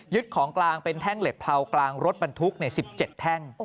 ของกลางเป็นแท่งเหล็กเผากลางรถบรรทุก๑๗แท่ง